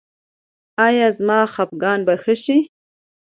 ایا زما خپګان به ښه شي؟